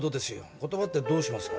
断ってどうしますか・